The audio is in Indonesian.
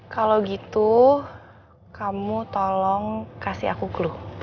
kalau gitu kamu tolong kasih aku clue